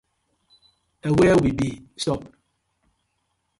Na where we been stip?